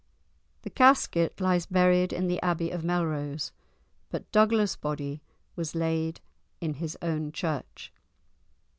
The casket lies buried in the Abbey of Melrose, but Douglas's body was laid in his own church.